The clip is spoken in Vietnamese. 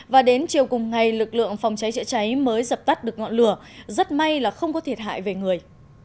và đến chiều cùng ngày lực lượng phòng cháy chữa cháy mới dập tắt được ngọn lửa rất may là không có thiệt hại về người